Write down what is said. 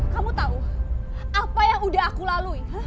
kamu tahu apa yang udah aku lalui